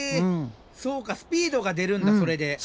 そうかスピードが出るんだそれで。